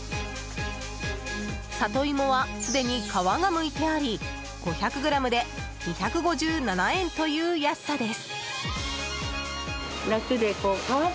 サトイモはすでに皮がむいてあり５００ｇで２５７円という安さです。